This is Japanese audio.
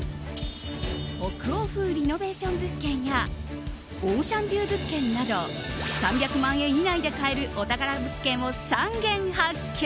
北欧風リノベーション物件やオーシャンビュー物件など３００万円以内で買えるお宝物件を３軒発見。